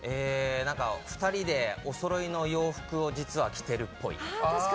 ２人でおそろいの洋服を実は着てるっぽい。